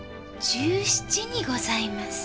１７にございます。